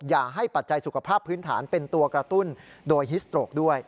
อย่าให้ปัจจัยสุขภาพพื้นฐานเป็นตัวกระตุ้นโดยฮิสโตรกด้วย